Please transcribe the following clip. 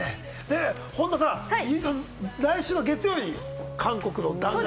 本田さん、来週月曜日、韓国の弾丸旅。